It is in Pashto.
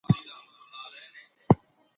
هغه وویل چې تمرين د بریا اصلي کیلي ده.